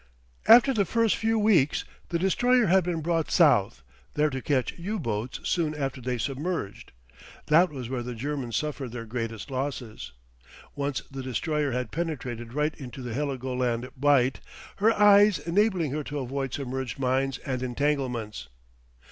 After the first few weeks the Destroyer had been brought south, there to catch U boats soon after they submerged. That was where the Germans suffered their greatest losses. Once the Destroyer had penetrated right into the Heligoland Bight, her "eyes" enabling her to avoid submerged mines and entanglements.